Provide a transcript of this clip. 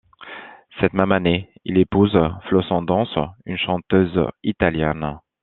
Cette même année, il épouse Flo Sandon's, une chanteuse italienne.